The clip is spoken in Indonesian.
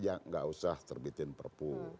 ya nggak usah terbitin perpu